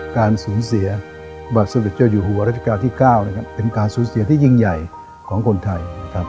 การสูญเสียบัสดิ์เจ้าอยู่หัวรัฐกาลที่๙เป็นการสูญเสียที่ยิ่งใหญ่ของคนไทย